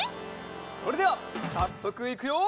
それではさっそくいくよ！